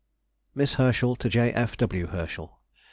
_] MISS HERSCHEL TO J. F. W. HERSCHEL.